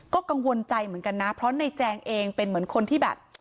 ก็กังวลใจเหมือนกันนะเพราะในแจงเองเป็นเหมือนคนที่แบบ